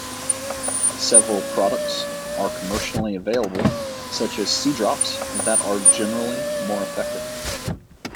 Several products are commercially available such as Sea Drops that are generally more effective.